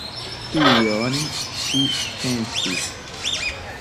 Tion ŝi pensis!